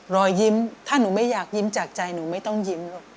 รอยยิ้มถ้าหนูไม่อยากยิ้มจากใจหนูไม่ต้องยิ้มลูก